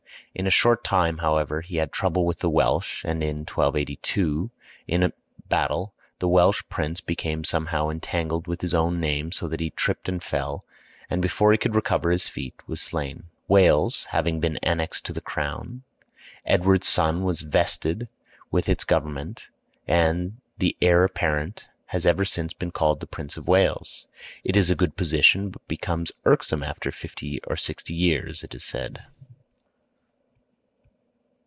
In a short time, however, he had trouble with the Welsh, and in 1282, in battle, the Welsh prince became somehow entangled with his own name so that he tripped and fell, and before he could recover his feet was slain. [Illustration: LONGSHANKS RECEIVES TIDINGS OF HIS FATHER'S DEATH.] Wales having been annexed to the crown, Edward's son was vested with its government, and the heir apparent has ever since been called the Prince of Wales. It is a good position, but becomes irksome after fifty or sixty years, it is said.